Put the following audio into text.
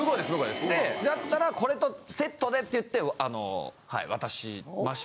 でだったらこれとセットでって言ってあのはい渡しました。